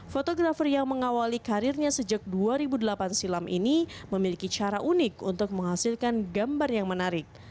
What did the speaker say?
fotografer yang mengawali karirnya sejak dua ribu delapan silam ini memiliki cara unik untuk menghasilkan gambar yang menarik